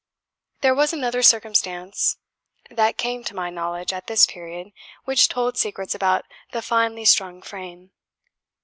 There was another circumstance that came to my knowledge at this period which told secrets about the finely strung frame.